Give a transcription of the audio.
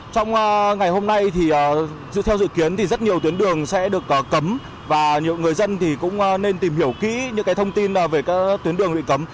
trong ngày hôm nay thì theo dự kiến thì rất nhiều tuyến đường sẽ được cấm và nhiều người dân cũng nên tìm hiểu kỹ những thông tin về các tuyến đường bị cấm